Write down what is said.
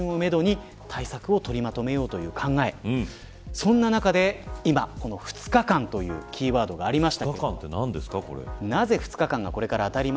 そんな中で、今２日間というキーワードがありました。